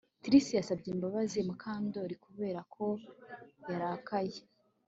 Trix yasabye imbabazi Mukandoli kubera ko yarakaye